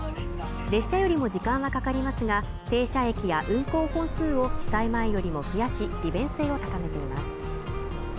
列車よりも時間はかかりますが停車駅や運行本数を記載前よりも増やし利便性を高めています